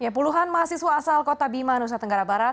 puluhan mahasiswa asal kota bima nusa tenggara barat